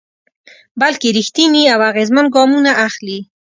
بلکې رېښتيني او اغېزمن ګامونه اخلي.